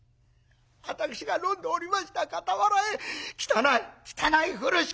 私が飲んでおりました傍らへ汚い汚い風呂敷